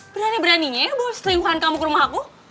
berani beraninya ya bawa setinggungan kamu ke rumah aku